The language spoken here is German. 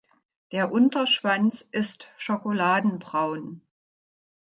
Der Unterschwanz ist schokoladenbraun.